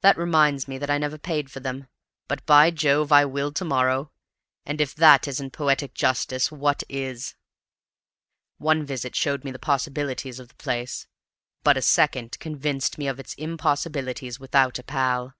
That reminds me that I never paid for them; but, by Jove, I will to morrow, and if that isn't poetic justice, what is? One visit showed me the possibilities of the place, but a second convinced me of its impossibilities without a pal.